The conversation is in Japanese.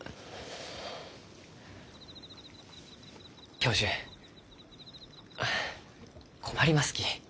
教授あ困りますき。